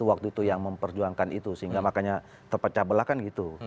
waktu itu yang memperjuangkan itu sehingga makanya terpecah belah kan gitu